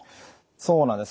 そうなんです。